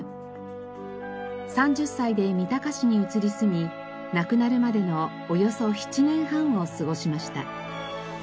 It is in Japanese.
３０歳で三鷹市に移り住み亡くなるまでのおよそ７年半を過ごしました。